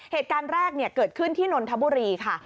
เหตุการณ์แรกเกิดขึ้นที่นนทบุรีค่ะ